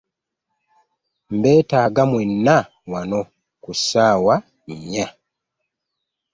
Mbeetaaga mwenna wano ku ssaawa nnya.